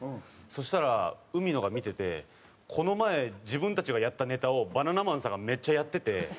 そしたら海野が見ててこの前自分たちがやったネタをバナナマンさんがめっちゃやってて。